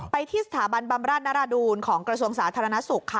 ที่สถาบันบำราชนรดูลของกระทรวงสาธารณสุขค่ะ